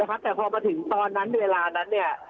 นะครับแต่พอมาถึงตอนนั้นเดียวเวลานั้นเนี้ย